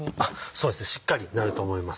そうですねしっかりなると思います。